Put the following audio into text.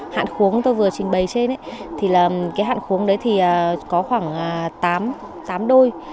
hạn khuống tôi vừa trình bày trên ấy thì là cái hạn khuống đấy thì có khoảng tám đôi